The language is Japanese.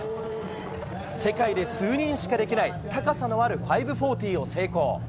世界で数人しかできない高さのある５４０を成功。